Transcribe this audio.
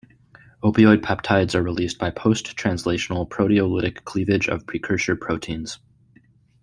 Opioid peptides are released by post-translational proteolytic cleavage of precursor proteins.